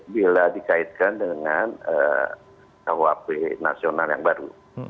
bila dikaitkan dengan kuap nasional yang baru